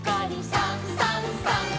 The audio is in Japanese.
「さんさんさん」